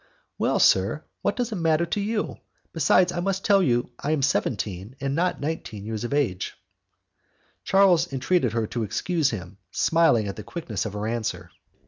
"Well, sir, what does it matter to you? Besides, I must tell you that I am seventeen, and not nineteen years of age." Charles entreated her to excuse him, smiling at the quickness of her answer.